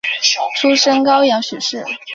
出身高阳许氏。